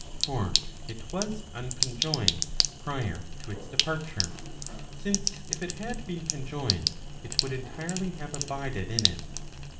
For it was unconjoined prior to its departure; since if it had been conjoined, it would entirely have abided in it.